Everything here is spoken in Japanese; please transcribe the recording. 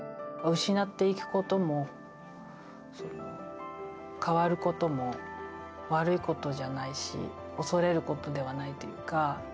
失っていくことも変わることも悪いことじゃないし恐れることではないというか。